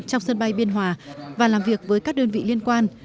trong sân bay biên hòa và làm việc với các đơn vị liên quan